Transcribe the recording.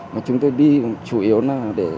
mà chúng tôi đi chủ yếu là